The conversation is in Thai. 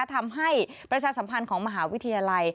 ทำให้ประชาสัมพันธ์ของมหาวิทยาลัย